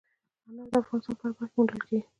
انار د افغانستان په هره برخه کې موندل کېږي.